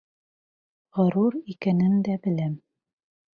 Ғорур икәнен дә беләм.